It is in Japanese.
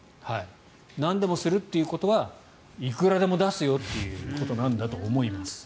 なんでもするということはいくらでも出すよということなんだと思います。